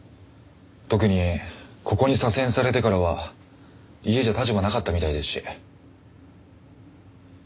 特にここに左遷されてからは家じゃ立場なかったみたいですし。